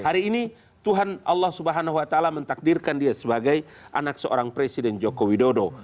hari ini tuhan allah swt mentakdirkan dia sebagai anak seorang presiden joko widodo